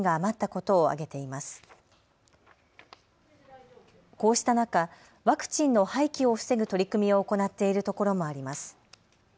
こうした中、ワクチンの廃棄を防ぐ取り組みを行っている所もあります。